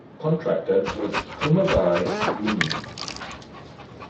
The contractor was Kumagai Gumi.